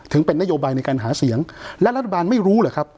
ถึงเป็นนโยบายในการหาเสียงและรัฐบาลไม่รู้เหรอครับ